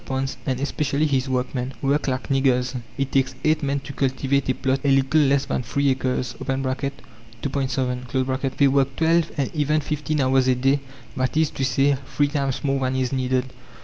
Ponce, and especially his workmen, work like niggers. It takes eight men to cultivate a plot a little less than three acres (2.7). They work twelve and even fifteen hours a day, that is to say, three times more than is needed.